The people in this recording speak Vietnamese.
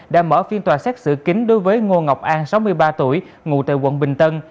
đã mở phiên tòa xét xử kính đối với ngô ngọc an sáu mươi ba tuổi ngụ tại quận bình tân